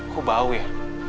kok bau ya